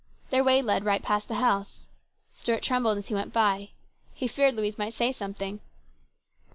Their way led right past the house. Stuart trembled as he went by. He feared Louise might say something.